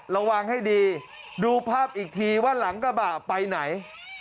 ระวังให้ดีดูภาพอีกทีว่าหลังกระบะไปไหน